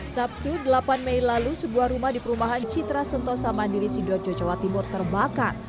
sabtu delapan mei lalu sebuah rumah di perumahan citra sentosa mandiri sidoarjo jawa timur terbakar